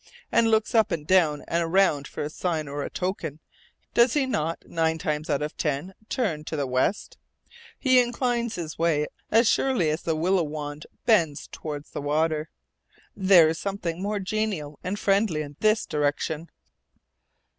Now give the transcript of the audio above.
and looks up and down and around for a sign or a token, does he not nine times out of ten turn to the west? He inclines this way as surely as the willow wand bends toward the water. There is something more genial and friendly in this direction.